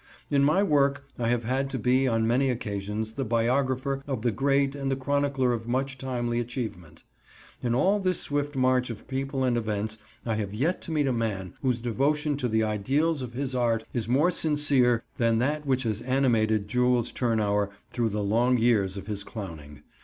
In my work I have had to be, on many occasions, the biographer of the great and the chronicler of much timely achievement. In all this swift march of people and events I have yet to meet a man whose devotion to the ideals of his art is more sincere than that which has animated Jules Turnour through the long years of his clowning.